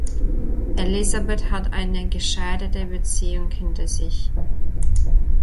Elizabeth hat eine gescheiterte Beziehung hinter sich.